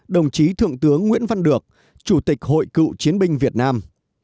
ba mươi tám đồng chí thượng tướng nguyễn văn được chủ tịch hội cựu chiến binh việt nam